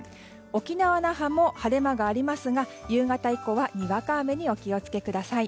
沖縄・那覇も晴れ間はありますが夕方以降はにわか雨にお気を付けください。